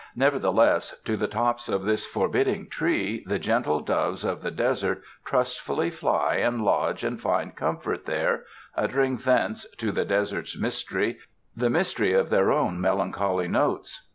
Nevertheless, to the tops of this forbidding tree, the gentle doves of the desert trustfully fly and lodge and find comfort there, uttering thence, to the desert's mystery, the mystery of their own melancholy notes.